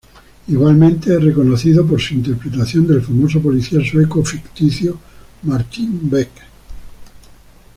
Igualmente, es reconocido por su interpretación del famoso policía sueco ficticio Martín Beck.